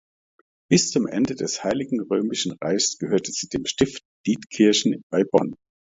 Bis zum Ende des Heiligen Römischen Reichs gehörte sie dem Stift Dietkirchen bei Bonn.